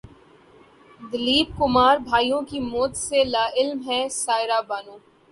دلیپ کمار بھائیوں کی موت سے لاعلم ہیں سائرہ بانو